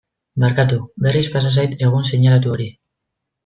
Barkatu, berriz pasa zait egun seinalatu hori.